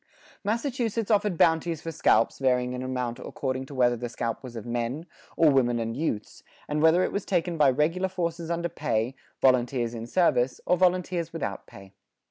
"[45:3] Massachusetts offered bounties for scalps, varying in amount according to whether the scalp was of men, or women and youths, and whether it was taken by regular forces under pay, volunteers in service, or volunteers without pay.